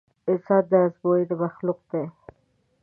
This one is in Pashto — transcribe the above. انسان د ازموينې مخلوق دی.